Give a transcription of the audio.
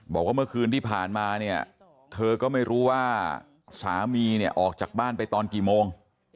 บอกว่าเมื่อคืนที่ผ่านมาเนี่ยเธอก็ไม่รู้ว่าสามีเนี่ยออกจากบ้านไปตอนกี่โมง